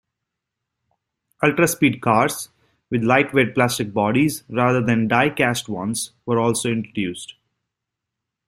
Ultraspeed cars, with lightweight plastic bodies rather than die-cast ones, were also introduced.